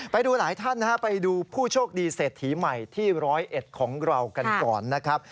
ไปดูหลายท่านนะฮะไปดูผู้โชคดีเศรษฐีใหม่ที่๑๐๑ของเรากันก่อนนะครับ